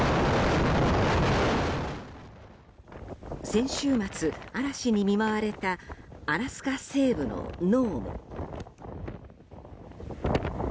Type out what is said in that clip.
先週末、嵐に見舞われたアラスカ西部のノーム。